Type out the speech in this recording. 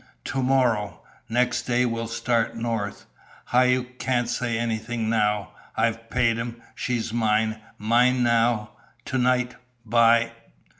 "To morrow. Next day we'll start north. Hauck can't say anything now. I've paid him. She's mine mine now to night! By...."